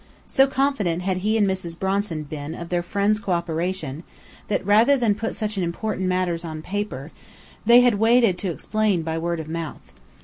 So confident had he and Mrs. Bronson been of their friends' cooperation, that rather than put such important matters on paper, they had waited to explain by word of mouth.